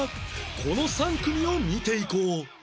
この３組を見ていこう